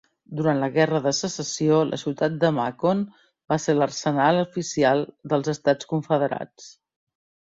Durant la Guerra de Secessió, la ciutat de Macon va ser l'arsenal oficial dels Estats Confederats.